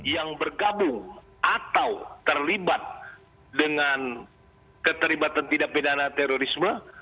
yang bergabung atau terlibat dengan keterlibatan tindak bidangnya terorisme